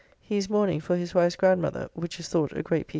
He is in mourning for his wife's grandmother, which is thought a great piece of fondness.